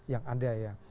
yang ada ya